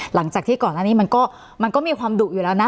หลังจากที่ก่อนหน้านี้มันก็มีความดุอยู่แล้วนะ